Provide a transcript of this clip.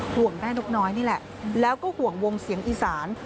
ห่วงแม่นกน้อยนี่แหละแล้วก็ห่วงวงเสียงอีสาน